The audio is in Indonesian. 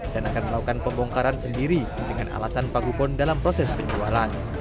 dan akan melakukan pembongkaran sendiri dengan alasan pagupon dalam proses penjualan